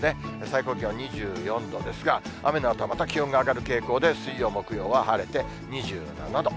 最高気温２４度ですが、雨のあとはまた気温が上がる傾向で、水曜、木曜は晴れて２７度。